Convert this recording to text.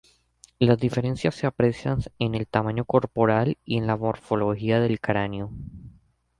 Las diferencias se aprecian en el tamaño corporal y en la morfología del cráneo.